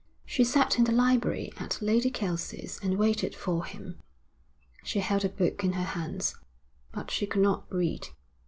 She sat in the library at Lady Kelsey's and waited for him. She held a book in her hands, but she could not read.